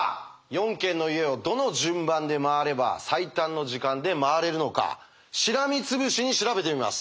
４軒の家をどの順番で回れば最短の時間で回れるのかしらみつぶしに調べてみます。